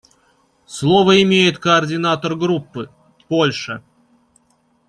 Слово имеет координатор Группы − Польша.